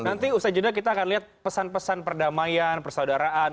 nanti usai jeda kita akan lihat pesan pesan perdamaian persaudaraan